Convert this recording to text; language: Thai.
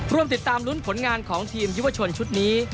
รวมติดตามลุ้นผลงานของทีมยุวชนชุดนี้